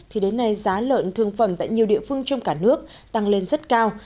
thì đến nay giá lợn thương phẩm tại nhiều địa phương trong cả nước tăng lên rất cao